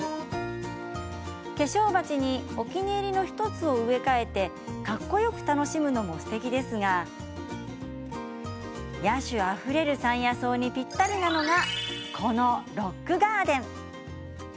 化粧鉢にお気に入りの１つを植え替えてかっこよく楽しむのもすてきですが野趣あふれる山野草にぴったりなのがこのロックガーデン。